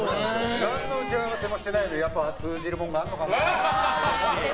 何の打ち合わせもしてないのに通じるものがあるのかな。